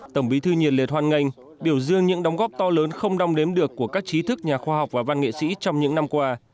tổng bí thư nhiệt liệt hoan nghênh biểu dương những đóng góp to lớn không đong đếm được của các trí thức nhà khoa học và văn nghệ sĩ trong những năm qua